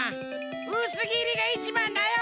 うすぎりがいちばんだよ。